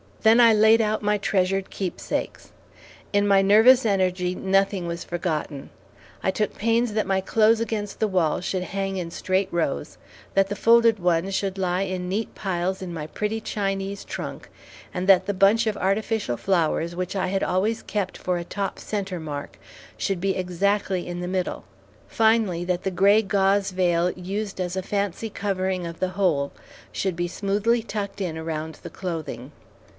Then I laid out my treasured keepsakes. In my nervous energy, nothing was forgotten. I took pains that my clothes against the wall should hang in straight rows, that the folded ones should lie in neat piles in my pretty Chinese trunk, and that the bunch of artificial flowers which I had always kept for a top centre mark, should be exactly in the middle; finally, that the gray gauze veil used as a fancy covering of the whole should be smoothly tucked in around the clothing.